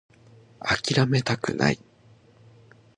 諦めたくない